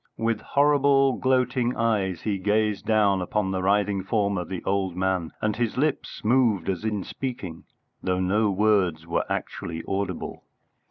With horrible, gloating eyes he gazed down upon the writhing form of the old man, and his lips moved as in speaking, though no words were actually audible.